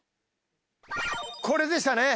これでしたね。